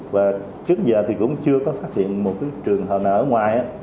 và trước giờ thì cũng chưa có phát hiện một trường hợp nào ở ngoài